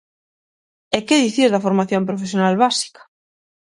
¿E que dicir da formación profesional básica?